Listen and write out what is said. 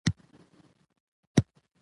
هغه څوک دی چی د هغه په ګټه حکم سوی وی؟